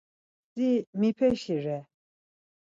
Si mipeşi re?